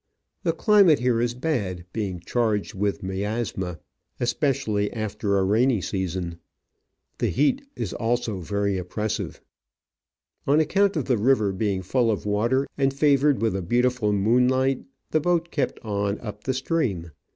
The climate here is bad, being charged with miasma, especially after the rainy season. The heat is also very oppressive. On account of the river being full of water, and favoured with a beautiful moonlight, the boat kept on up the stream.